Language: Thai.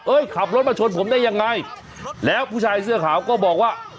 ขับรถมาชนผมได้ยังไงแล้วผู้ชายเสื้อขาวก็บอกว่า